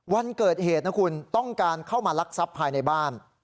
วันเกิดเหตุนะคุณต้องการเข้ามาลักทรัพย์ภายในบ้าน